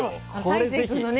大聖君のね